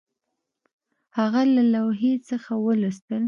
هغه له لوحې څخه ولوستل